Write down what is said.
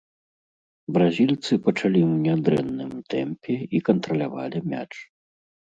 Бразільцы пачалі ў нядрэнным тэмпе і кантралявалі мяч.